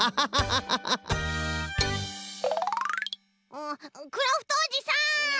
うクラフトおじさん！